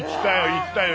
行ったよ